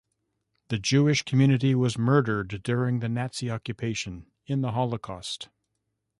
The Jewish community was murdered during the Nazi German occupation, in the Holocaust.